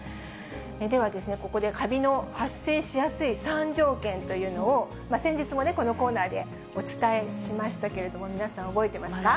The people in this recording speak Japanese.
ではですね、ここでカビの発生しやすい３条件というのを、先日もこのコーナーでお伝えしましたけれども、皆さん、覚えてますか。